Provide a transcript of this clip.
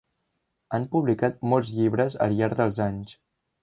Han publicat molts llibres al llarg dels anys.